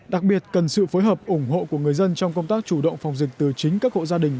đặc biệt cần sự phối hợp ủng hộ của người dân trong công tác chủ động phòng dịch từ chính các hộ gia đình